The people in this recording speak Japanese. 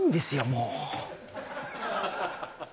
もう。